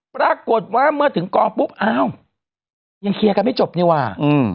ปรากฏว่าเมื่อถึงกองปุ๊บอ้าวยังเคลียร์กันไม่จบนี่ว่า